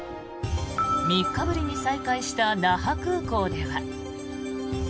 ３日ぶりに再開した那覇空港では。